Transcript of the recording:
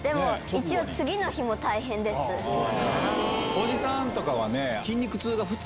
おじさんとかはね。